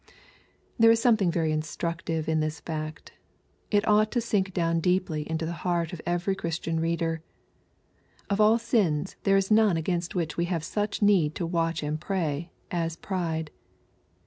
There is something very instructive in this fact. It ought to sink down deeply into the heart of every Chris tion reader. Of all sins there is none against which we have such need to watch and pray, as pride.